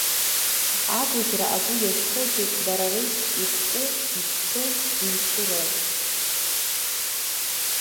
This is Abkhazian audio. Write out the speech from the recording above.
Агәаӷьра агәы иазҭогьы дара реиԥш игәку, ицқьоу, имшу роуп.